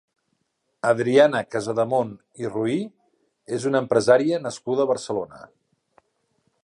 Adriana Casademont i Ruhí és una empresària nascuda a Barcelona.